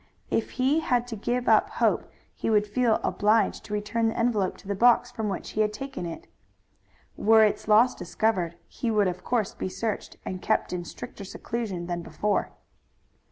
If he had to give up hope he would feel obliged to return the envelope to the box from which he had taken it. Were its loss discovered he would of course be searched and kept in stricter seclusion than before.